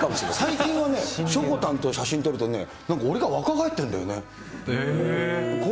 最近はね、しょこたんと写真撮ると、なんか俺が若返ってるんだよね。